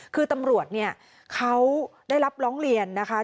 คือตำรวจเนี่ยเขาได้รับร้องเรียนนะคะ